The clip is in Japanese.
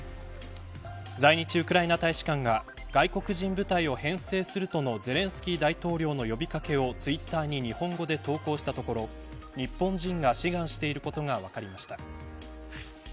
在日ウクライナ大使館が外国人部隊を編成するとのゼレンスキー大統領の呼び掛けをツイッターに日本語で投稿したところ日本人が志願していることが分かりました。